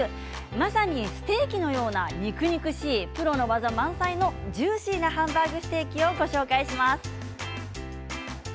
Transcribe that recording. まさにステーキのような肉々しいプロの技満載のジューシーなハンバーグステーキをご紹介します。